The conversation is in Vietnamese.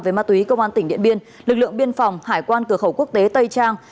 về ma túy công an tỉnh điện biên lực lượng biên phòng hải quan cửa khẩu quốc tế tây trang